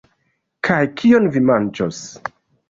Kaj kion vi manĝos?